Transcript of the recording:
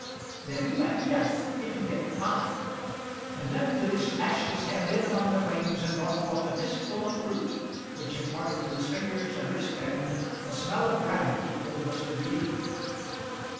"Very well, yes; if you get five." And then Felix dashed his hand in among the flames and brought forth a fistful of fruit, which imparted to his fingers and wristband a smell of brandy for the rest of the evening.